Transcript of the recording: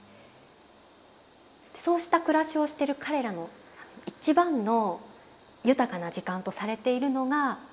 そうした暮らしをしてる彼らの一番の豊かな時間とされているのが「ラーハ」という時間なんです。